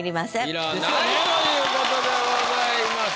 いらないということでございます。